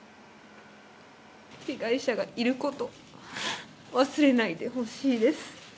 被害者がいること、忘れないでほしいです。